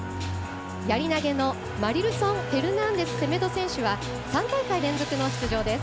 やり投げのマリルソン・フェルナンデスセメド選手は３大会連続の出場です。